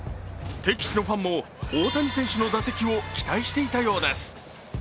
敵地のファンも大谷選手の打席を期待していたようです。